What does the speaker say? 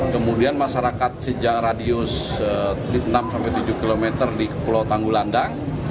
kemudian masyarakat sejak radius enam sampai tujuh km di pulau tanggulandang